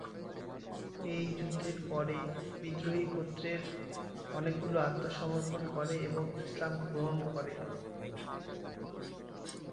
এই যুদ্ধের পরে, বিদ্রোহী গোত্রের অনেকগুলো আত্মসমর্পণ করে এবং ইসলাম গ্রহণ করে।